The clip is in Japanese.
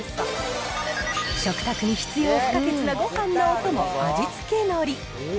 食卓に必要不可欠なごはんのお供、味付けのり。